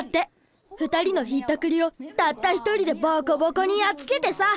２人のひったくりをたった一人でボコボコにやっつけてさ。